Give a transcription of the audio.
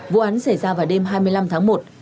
vụ án xảy ra vào đêm hai mươi năm tháng một